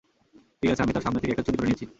ঠিক আছে, আমি তার সামনে থেকে একটা চুরি করে নিয়েছি।